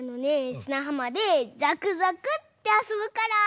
すなはまでざくざくってあそぶから。